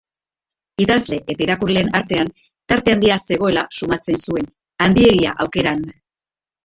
Idazle eta irakurleen artean tarte handia zegoela sumatzen zuen, handiegia aukeran.